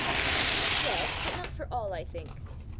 "Yes, but not for all, I think.